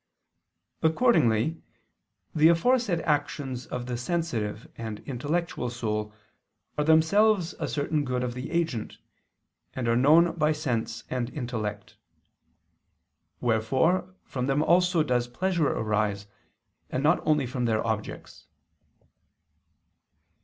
Accordingly the aforesaid actions of the sensitive and intellectual soul, are themselves a certain good of the agent, and are known by sense and intellect. Wherefore from them also does pleasure arise, and not only from their objects.